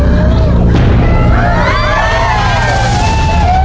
หนึ่งแสน